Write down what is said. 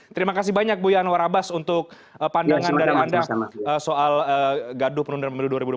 terima kasih banyak buya anwar abbas untuk pandangan dan anda soal gaduh penundaan pemilu dua ribu dua puluh empat